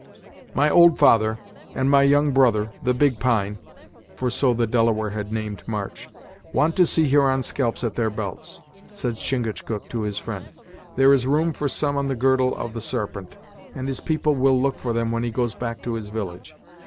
"My old father, and my young brother, the Big Pine," for so the Delaware had named March "want to see Huron scalps at their belts," said Chingachgook to his friend. "There is room for some on the girdle of the Sarpent, and his people will look for them when he goes back to his village.